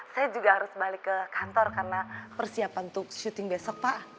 saya juga harus balik ke kantor karena persiapan untuk syuting besok pak